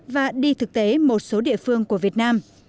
và đi thực tế một số địa phương của việt nam